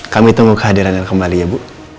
kami tunggu kehadirannya kembali ya bu